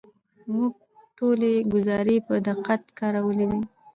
موږ ټولې ګزارې په دقت کارولې دي.